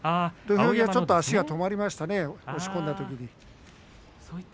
土俵際ちょっと足が止まりましたね、押し込んだときに。